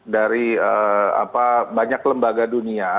dari banyak lembaga dunia